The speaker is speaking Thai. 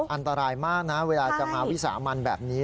อันตรายมากนะเวลาจะมาวิสามันแบบนี้